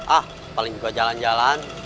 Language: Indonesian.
ah paling juga jalan jalan